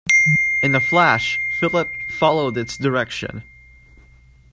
In a flash Philip followed its direction.